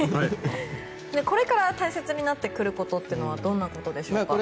これから大切になってくることはどんなことでしょうか。